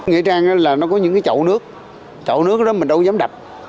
nghĩa rằng là nó có những cái chậu nước chậu nước đó mình đâu dám đập